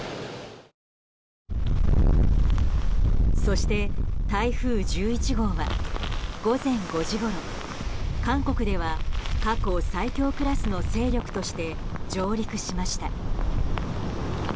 そして台風１１号は午前５時ごろ韓国では過去最強クラスの勢力として上陸しました。